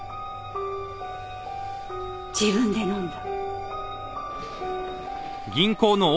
自分で飲んだ。